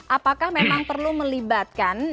apakah memang perlu melibatkan